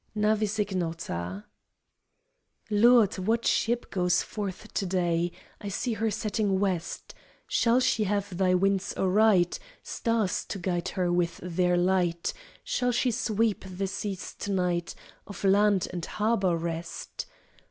NAVIS IGNOTA Lord, what ship goes forth to day? I see her setting West. Shall she have thy winds aright, Stars to guide her with their light, Shall she sweep the seas to sight Of land and harbour rest?